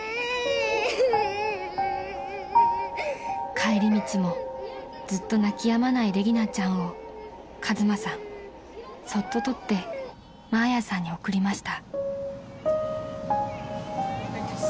［帰り道もずっと泣きやまないレギナちゃんを和真さんそっと撮ってマーヤさんに送りました］